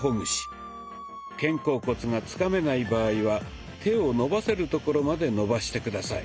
肩甲骨がつかめない場合は手を伸ばせるところまで伸ばして下さい。